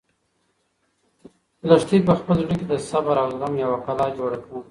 لښتې په خپل زړه کې د صبر او زغم یوه کلا جوړه کړه.